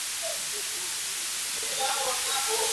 arobaini na Burundi sabini na nane